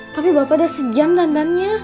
tapi bapak udah sejam dandannya